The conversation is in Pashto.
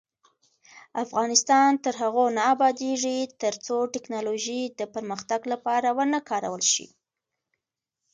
افغانستان تر هغو نه ابادیږي، ترڅو ټیکنالوژي د پرمختګ لپاره ونه کارول شي.